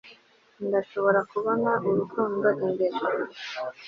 ndashobora kubona urukundo imbere